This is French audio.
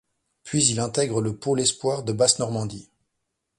Puis il intègre le pôle espoir de Basse-Normandie.